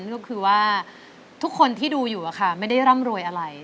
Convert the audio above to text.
ก็คือว่าทุกคนที่ดูอยู่ไม่ได้ร่ำรวยอะไร